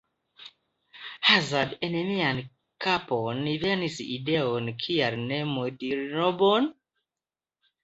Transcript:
Hazarde en mian kapon venis ideo – kial ne modli robon?